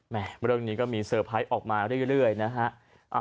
เรื่องนี้ก็มีเซอร์ไพรส์ออกมาเรื่อยนะฮะ